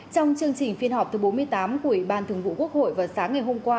trong chương trình phiên họp thứ bốn mươi tám của ủy ban thường vụ quốc hội vào sáng ngày hôm qua